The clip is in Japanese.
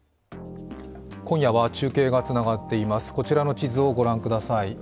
今夜は中継がつながっています、こちらの地図を御覧ください。